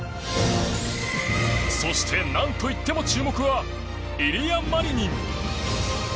そして、何といっても注目はイリア・マリニン。